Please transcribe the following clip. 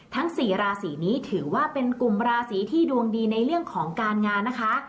ทั้ง๔ราศีนี้ถือว่าเป็นกลุ่มราศีที่ดวงดีในเรื่องของการงานนะคะ